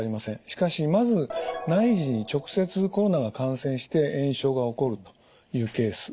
しかしまず内耳に直接コロナが感染して炎症が起こるというケース。